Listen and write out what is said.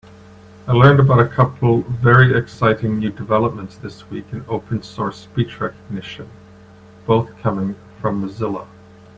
I learned about a couple very exciting new developments this week in open source speech recognition, both coming from Mozilla.